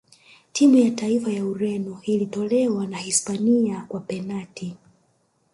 timu ya taifa ya ureno ilitolewa na hispania kwa penati